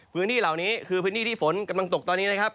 พื้นที่เหล่านี้คือพื้นที่ที่ฝนกำลังตกตอนนี้นะครับ